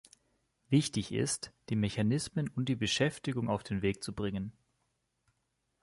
Wichtig ist, die Mechanismen und die Beschäftigung auf den Weg zu bringen.